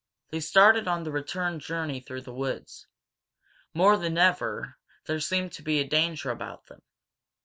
They started on the return journey through the woods. More than ever there seemed to be danger about them.